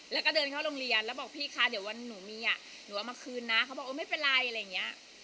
แล้วก็เดินเข้าโรงเรียนแล้วบอกพี่คะเดี๋ยววันหนูมีอ่ะหนูเอามาคืนนะเขาบอกเออไม่เป็นไรอะไรอย่างเงี้ย